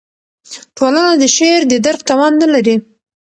ټولنه د شعر د درک توان نه لري.